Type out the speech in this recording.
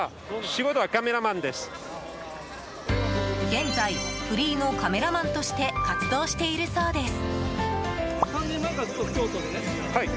現在フリーのカメラマンとして活動しているそうです。